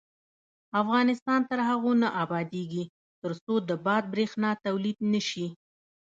افغانستان تر هغو نه ابادیږي، ترڅو د باد بریښنا تولید نشي.